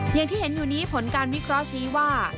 อย่างที่เห็นอยู่นี้ผลการวิเคราะห์ชี้ว่า